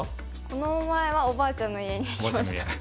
この前はおばあちゃんの家に行きました。